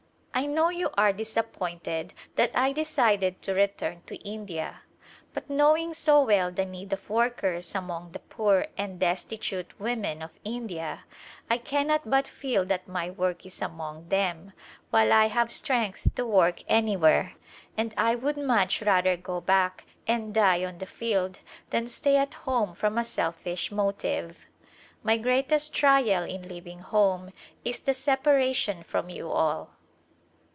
I know you are disappointed that I decided to return [III] ^4 Glimpse of India to India, but knowing so well the need of workers among the poor and destitute women of India I can not but feel that my work is among them while I have strength to work anywhere, and I would much rather go back and die on the field than stay at home from a selfish motive. My greatest trial in leaving home is the separation from you all.